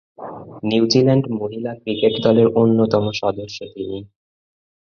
New Zealand মহিলা cricket দলের অন্যতম সদস্য তিনি।